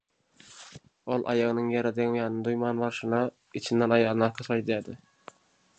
Ol aýagynyň ýere degýäninem duýman barşyna içinden aýalyna alkyş aýdýardy.